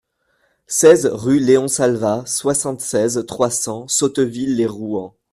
seize rue Léon Salva, soixante-seize, trois cents, Sotteville-lès-Rouen